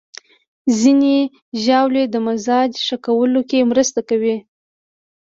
ځینې ژاولې د مزاج ښه کولو کې مرسته کوي.